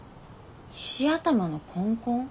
石頭のコンコン。